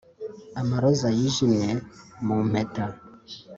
amaroza yijimye mu impeta